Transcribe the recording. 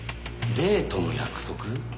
デートの約束？